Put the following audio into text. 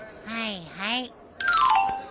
はいはい。